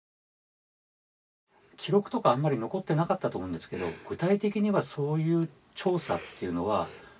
記録とかあんまり残ってなかったと思うんですけど具体的にはそういう調査というのはどうやって行うもんなんですか？